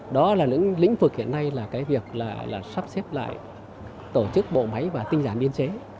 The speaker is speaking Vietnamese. đó là những lĩnh vực hiện nay là cái việc là sắp xếp lại tổ chức bộ máy và tinh giản biên chế